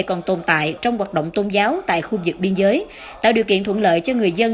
còn tồn tại trong hoạt động tôn giáo tại khu vực biên giới tạo điều kiện thuận lợi cho người dân